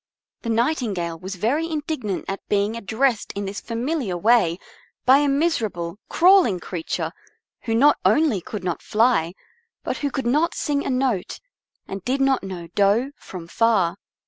The Nightingale was very indignant at being addressed in this familiar way by a miserable, crawling creature who not only could not fly, but who could not sing a note, and did not know do from fa.